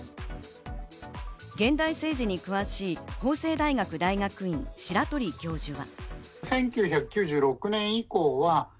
現代政治に詳しい、法政大学大学院の白鳥教授は。